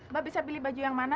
mbak bisa pilih baju yang mana